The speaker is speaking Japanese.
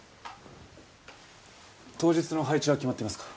当日の配置は決まっていますか？